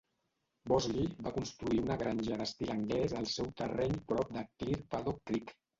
Bossley va construir una granja d'estil anglès al seu terreny prop de Clear Paddock Creek.